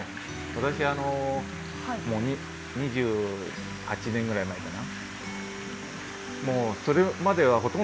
私もう２８年ぐらい前かな。